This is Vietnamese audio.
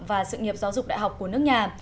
và sự nghiệp giáo dục đại học của nước nhà